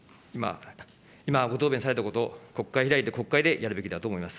今、ご答弁されたこと、国会開いて、国会でやるべきだと思います。